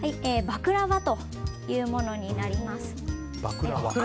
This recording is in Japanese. バクラワというものになります。